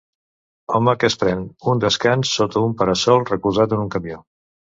Home que es pren un descans sota un para-sol recolzat en un camió.